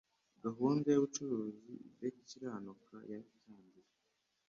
gahunda y'ubucuruzi idakiranuka yatangiye